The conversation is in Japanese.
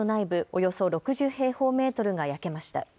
およそ６０平方メートルが焼けました。